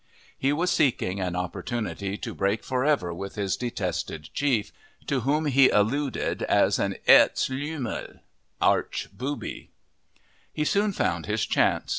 He was seeking an opportunity to break forever with his detested chief, to whom he alluded as an "Erzlümmel" ("Archbooby"). He soon found his chance.